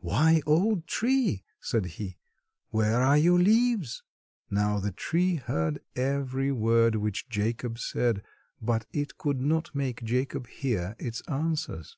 "Why, old tree," said he, "where are your leaves?" Now the tree heard every word which Jacob said but it could not make Jacob hear its answers.